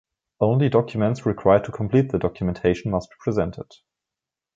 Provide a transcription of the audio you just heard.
Only documents required to complete the documentation must be presented.